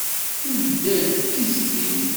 Tedda d tislit.